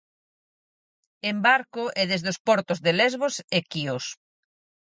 En barco e desde os portos de Lesbos e Quios.